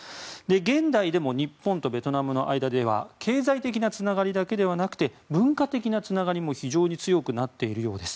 現代でも日本とベトナムの間では経済的なつながりだけではなくて文化的なつながりも非常に強くなっているようです。